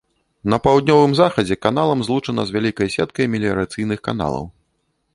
На паўднёвым захадзе каналам злучана з вялікай сеткай меліярацыйных каналаў.